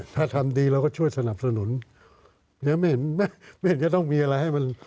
ถ้าทำดีเราก็ช่วยสนับสนุนยังไม่เห็นไม่เห็นจะต้องมีอะไรให้มัน